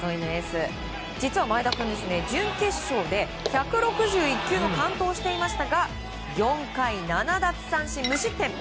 実は前田君準決勝で１６１球を完投していましたが４回７奪三振、無失点。